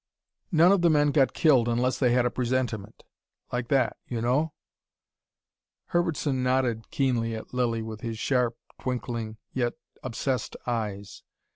None of the men got killed unless they had a presentiment like that, you know...." Herbertson nodded keenly at Lilly, with his sharp, twinkling, yet obsessed eyes.